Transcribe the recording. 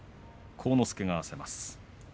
晃之助が合わせます。